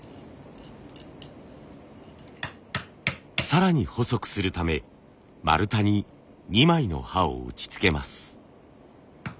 更に細くするため丸太に２枚の刃を打ちつけます。